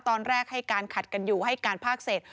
ตอนแรกให้การขัดกันอยู่ให้การภาคเศษ